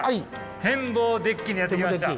天望デッキにやって来ました。